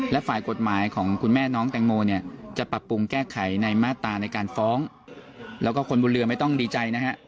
และฝ่ายกฎหมายของคุณแม่น้องแตงโมเนี่ยจะปรับปรุงแก้ไขในมาตราในการฟ้องแล้วก็คนบนเรือไม่ต้องดีใจนะฮะ